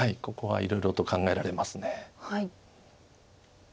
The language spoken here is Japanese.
ここはいろいろと考えられます。